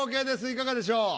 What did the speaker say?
いかがでしょう？